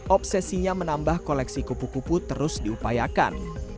obsesinya menambah koleksi kupu kupu terus diupayakan